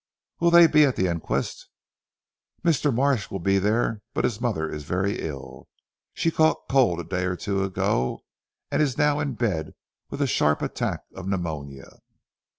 "Will they be at the inquest?" "Mr. Marsh will be there but his mother is very ill. She caught cold a day or two ago, and is now in bed with a sharp attack of pneumonia."